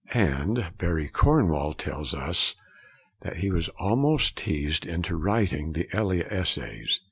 And Barry Cornwall tells us that 'he was almost teased into writing the Elia essays.'